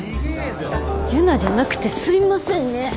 結奈じゃなくてすいませんね。